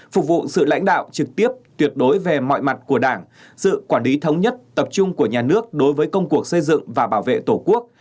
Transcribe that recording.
phục vụ sự lãnh đạo trực tiếp tuyệt đối về mọi mặt của đảng sự quản lý thống nhất tập trung của nhà nước đối với công cuộc xây dựng và bảo vệ tổ quốc